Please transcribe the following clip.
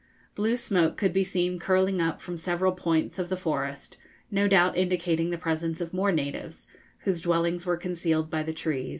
Blue smoke could be seen curling up from several points of the forest, no doubt indicating the presence of more natives, whose dwellings were concealed by the trees.